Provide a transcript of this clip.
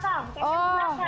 kaki ke belakang